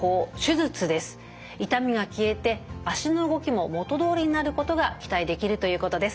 痛みが消えて脚の動きも元どおりになることが期待できるということです。